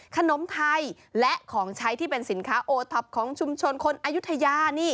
ขนมไทยและของใช้ที่เป็นสินค้าโอท็อปของชุมชนคนอายุทยานี่